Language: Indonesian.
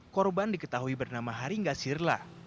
korban diketahui bernama haringga sirla